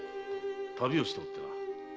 旅をしておってな。